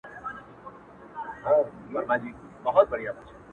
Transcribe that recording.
لاره ورکه سوه د کلي له وګړو!.